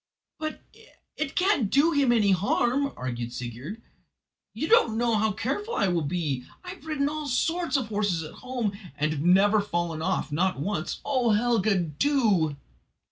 "But it can't do him any harm," argued Sigurd; "you don't know how careful I will be. I have ridden all sorts of horses at home, and have never fallen off not once. Oh, Helga, do!"